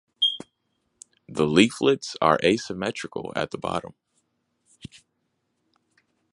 The leaflets are asymmetrical at the bottom.